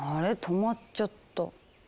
止まっちゃった。